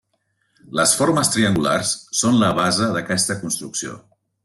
Les formes triangulars són la base d'aquesta construcció.